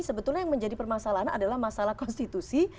sebetulnya yang menjadi permasalahan adalah masalah konstitusi